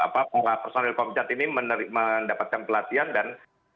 personil komisat ini mendapatkan pelatihan dan